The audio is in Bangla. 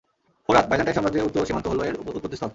ফোরাতঃ বাইজানটাইন সাম্রাজ্যের উত্তর সীমান্ত হলো এর উৎপত্তিস্থল।